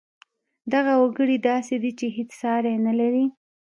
دغه وګړی داسې دی چې هېڅ ساری نه لري